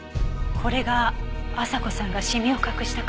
これが朝子さんがシミを隠したかった理由。